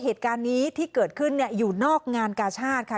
เหตุการณ์นี้ที่เกิดขึ้นอยู่นอกงานกาชาติค่ะ